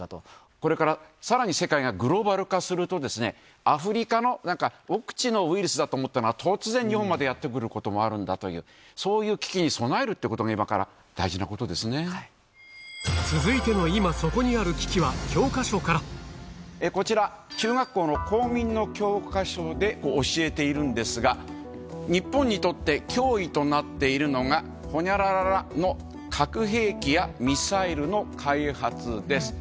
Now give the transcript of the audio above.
これからさらに世界がグローバル化すると、アフリカの、なんか奥地のウイルスだと思ったのが、突然、日本までやって来ることもあるんだという、そういう危機に備えるっていうことが、続いての今そこにある危機は、こちら、中学校の公民の教科書で教えているんですが、日本にとって、脅威となっているのが、ほにゃららの核兵器やミサイルの開発です。